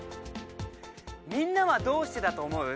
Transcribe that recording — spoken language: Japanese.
みんなはどうしてだと思う？